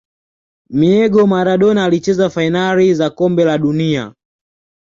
miego Maradona alicheza fainali za kombe la dunia